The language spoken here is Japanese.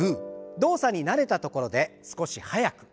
動作に慣れたところで少し速く。